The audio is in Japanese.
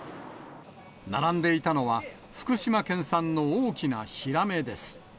並んでいたのは、福島県産の大きなヒラメです。